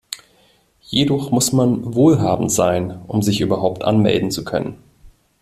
Jedoch muss man wohlhabend sein, um sich überhaupt anmelden zu können.